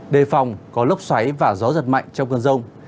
đề phòng có lốc xoáy và gió giật mạnh trong cơn rông